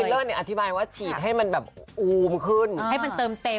เลิศเนี่ยอธิบายว่าฉีดให้มันแบบอูมขึ้นให้มันเติมเต็ม